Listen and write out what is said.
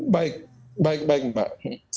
baik baik baik mbak